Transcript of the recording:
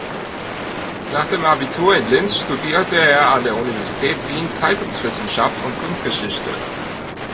Nach dem Abitur in Linz studierte er an der Universität Wien Zeitungswissenschaft und Kunstgeschichte.